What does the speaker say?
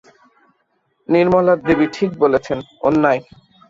নির্মলা দেবী ঠিক বলেছেন– অন্যায়!